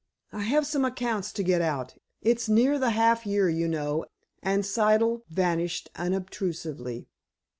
"I have some accounts to get out. It's near the half year, you know," and Siddle vanished unobtrusively.